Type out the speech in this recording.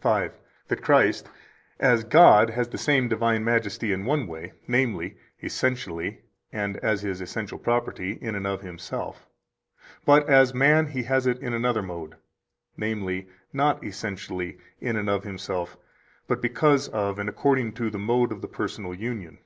116 That Christ as God has the same divine majesty in one way, namely, essentially and as His essential property, in and of Himself; but as man He has it in another mode, namely, not essentially in and of Himself, but because of, and according to, the mode of the personal union.